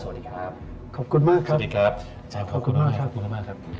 โปรดติดตามตอนต่อไป